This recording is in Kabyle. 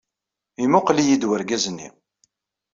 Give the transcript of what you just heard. Yemmuqqel-iyi-d wergaz-nni.